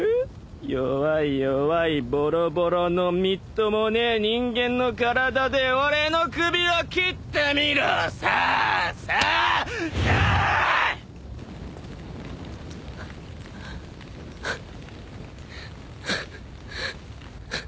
弱い弱いぼろぼろのみっともねえ人間の体で俺の首を斬ってみろ！さあ！さあ！さあ！！ハァハァハァ。